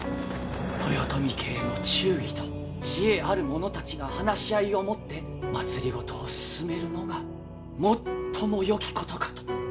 豊臣家への忠義と知恵ある者たちが話し合いをもって政を進めるのが最もよきことかと。